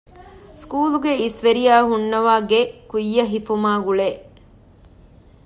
ސުކޫލްގެ އިސްވެރިޔާ ހުންނަވާގެ ކުއްޔަށް ހިފުމާއި ގުޅޭ